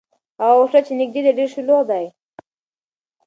هغه هوټل چې نږدې دی، ډېر شلوغ دی.